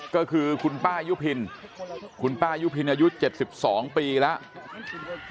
ก็คือคุณป้ายุพินคุณป้ายุพินอายุ๗๒ปีแล้ว